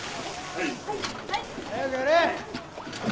はい。